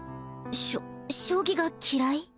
しょ将棋が嫌い？